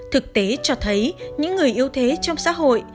thực tế cho thấy những người yếu thế trong xã hội